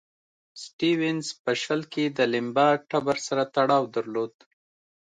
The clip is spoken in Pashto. سټیونز په شل کې د لیمبا ټبر سره تړاو درلود.